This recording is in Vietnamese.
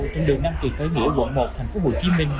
trên đường năm kỳ khởi nghĩa quận một thành phố hồ chí minh